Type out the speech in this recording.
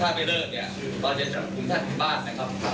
ถ้าไปเริ่มเนี่ยเราจะจากคุมธรรมดีบ้านนะครับ